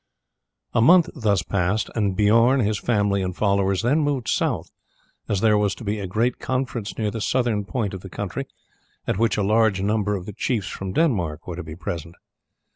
A month thus passed, and Bijorn, his family and followers then moved south, as there was to be a great conference near the southern point of the country, at which a large number of the chiefs from Denmark were to be present.